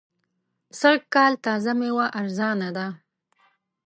سږ کال تازه مېوه ارزانه ده.